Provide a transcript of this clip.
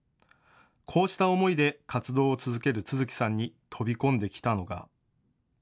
こうした思いで活動を続ける都築さんに飛び込んできたのが。